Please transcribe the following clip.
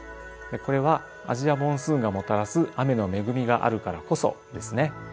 これは「アジア・モンスーン」がもたらす雨の恵みがあるからこそですね。